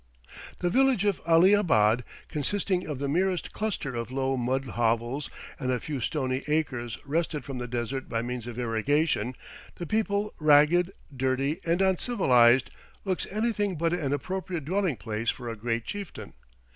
The village of Ali abad, consisting of the merest cluster of low mud hovels and a few stony acres wrested from the desert by means of irrigation, the people ragged, dirty, and uncivilized, looks anything but an appropriate dwelling place for a great chieftain.